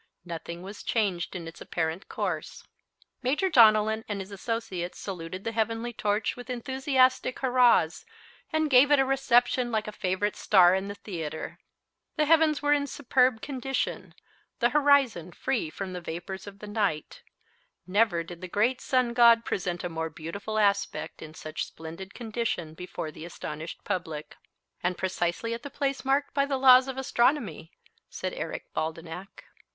Nothing was changed in its apparent course. Major Donellan and his associates saluted the heavenly torch with enthusiastic hurrahs, and gave it a reception like a favorite star in the theatre. The heavens were in superb condition, the horizon free from the vapors of the night, never did the great sun god present a more beautiful aspect in such splendid condition before the astonished public. "And precisely at the place marked by the laws of astronomy," said Eric Baldenak.